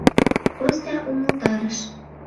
Костя умылтарыш.